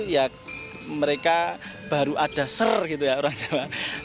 ya mereka baru ada ser gitu ya orang jawa